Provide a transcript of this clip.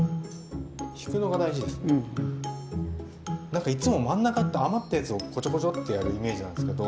なんかいつも真ん中って余ったやつをこちょこちょってやるイメージなんですけど。